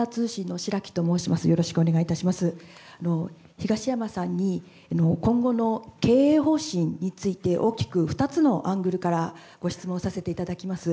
東山さんに、今後の経営方針について、大きく２つのアングルからご質問させていただきます。